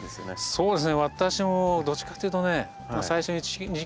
そうです。